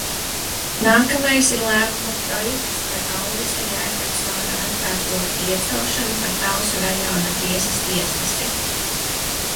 "Nākamais ir lēmuma projekts "Par Alvisa Jēkabsona atkārtotu iecelšanu par Talsu rajona tiesas tiesnesi"."